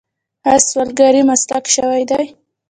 آیا سوالګري مسلک شوی دی؟